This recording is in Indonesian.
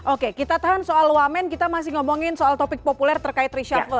oke kita tahan soal wamen kita masih ngomongin soal topik populer terkait reshuffle